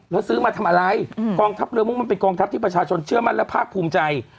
แล้วซื้อมาทำอะไรกองทัพเรือมุ่งมันเป็นกองทัพที่ประชาชนเชื่อมั่นและภาคภูมิใจ